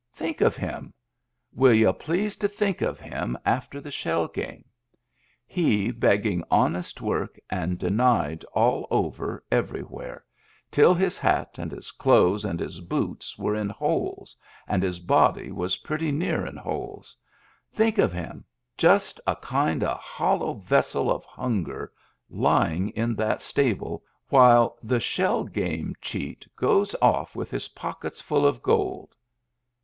Think of him! Will y'u please to think of him after that shell game ? He begging honest work and denied all over, ever3rwhere, till his hat and his clothes and his boots were in holes, and his body was pretty near in holes — think of him, just a kind of hollo' vessel of hunger lying in that stable while the shell game cheat goes ofiF with his pockets full of gold."